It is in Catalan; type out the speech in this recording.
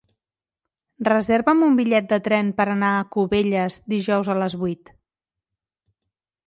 Reserva'm un bitllet de tren per anar a Cubelles dijous a les vuit.